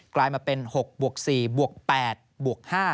กลายมาเป็น๖บวก๔บวก๘บวก๕